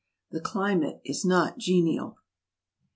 The climate is not genial.